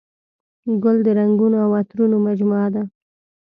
ګل د رنګونو او عطرونو مجموعه ده.